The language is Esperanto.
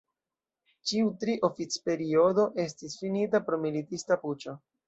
Ĉiu tri oficperiodo estis finita pro militista puĉo.